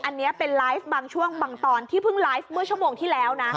อันนี้เป็นไลฟ์บางช่วงบางตอนที่เพิ่งไลฟ์เมื่อชั่วโมงที่แล้วนะ